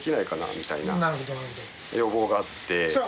みたいな要望があって。